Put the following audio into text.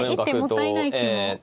一手もったいない気も。